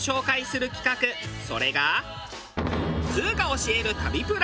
それが。